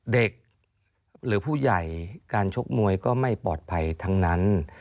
เด็กหรือผู้ใหญ่การชกมวยก็ไม่ปลอดภัยทั้งนั้น